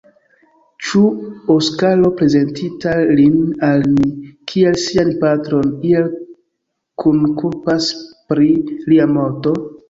Ĉu Oskaro, prezentinta lin al ni, kiel sian patron, iel kunkulpas pri lia morto?